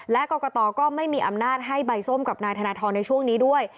และกรกตก็ไม่มีอำนาจให้ใบส้มกับนายธนทรในช่วงนี้ด้วย